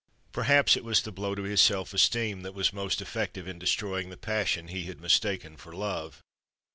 Perhaps it was the blow to his self esteem that was most effective in destroying the passion he had mistaken for love.